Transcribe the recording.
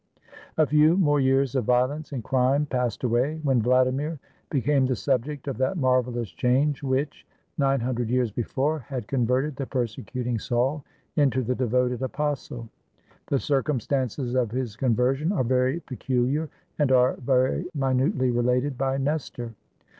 A few more years of violence and crime passed away, when Vladimir became the subject of that marvelous change which, nine hundred years before, had converted the persecuting Saul into the devoted apostle. The cir 29 RUSSIA cumstances of his conversion are very peculiar, and are very minutely related by Nestor.